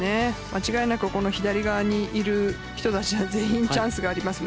間違いなく左側にいる人たちは全員チャンスがあります。